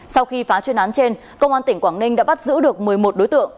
sau khi phá chuyên án trên công an tỉnh quảng ninh đã bắt giữ được một mươi một đối tượng